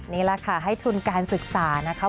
นี่แหละค่ะให้ทุนการศึกษานะคะ